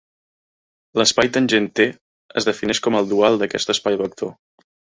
L'espai tangent T es defineix com el dual d'aquest espai vector.